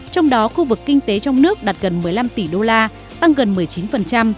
trong đó khu vực kinh tế trong nước đạt gần một mươi năm tỷ đô la tăng gần một mươi chín